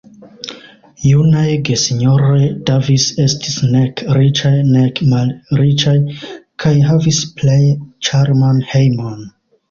Junaj gesinjoroj Davis estis nek riĉaj, nek malriĉaj, kaj havis plej ĉarman hejmon.